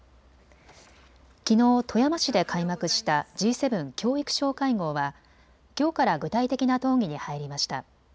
きのう富山市で開幕したＧ７教育相会合はきょうから具体的な討議に入りました。